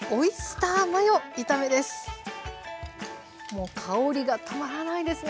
もう香りがたまらないですね。